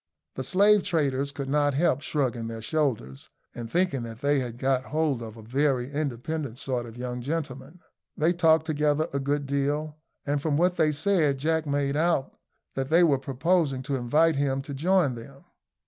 The slave traders could not help shrugging their shoulders, and thinking that they had got hold of a very independent sort of young gentleman. They talked together a good deal, and from what they said Jack made out that they were proposing to invite him to join them.